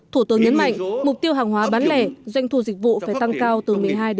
thủ tướng nhấn mạnh mục tiêu hàng hóa bán lẻ doanh thu dịch vụ phải tăng cao từ một mươi hai một mươi